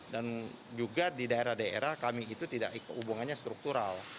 dan juga di daerah daerah kami itu tidak hubungannya struktural